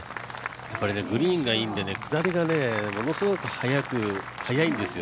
これでグリーンがいいんで下りがものすごい速いんですよ。